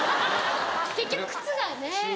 結局靴がね。